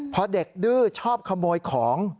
พอเด็กดื้อชอบขโมยของ